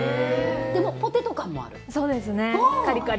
でも、ポテト感もある。